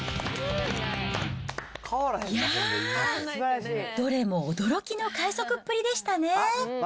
いやー、どれも驚きの快速っぷりでしたね。